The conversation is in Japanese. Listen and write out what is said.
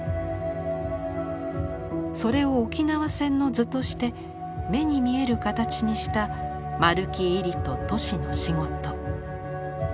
それを「沖縄戦の図」として目に見える形にした丸木位里と俊の仕事。